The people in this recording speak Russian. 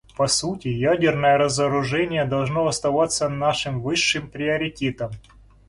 По сути, ядерное разоружение должно оставаться нашим высшим приоритетом.